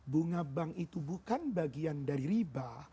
bunga bang itu bukan bagian dari riba